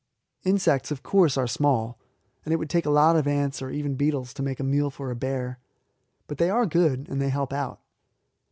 Insects, of course, are small, and it would take a lot of ants, or even beetles, to make a meal for a bear; but they are good, and they help out.